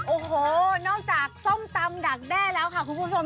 โอ้โหนอกจากส้มตำดักแด้แล้วค่ะคุณผู้ชม